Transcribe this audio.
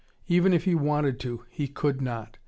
Even if he wanted to, he could not.